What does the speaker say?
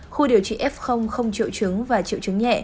khu điều trị f không triệu chứng và triệu chứng nhẹ